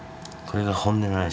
これが本音の話。